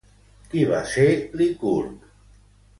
Qui va ser Licurg?